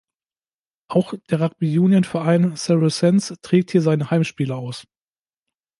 Auch der Rugby Union-Verein Saracens trägt hier seine Heimspiele aus.